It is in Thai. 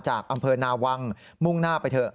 จากอำเภอนาวังมุ่งหน้าไปเถอะ